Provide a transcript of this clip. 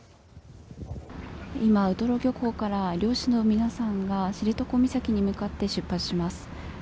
今、ウトロ漁港から漁師の皆さんが知床岬に向かって出発します。